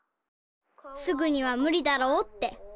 すぐにはむりだろうって。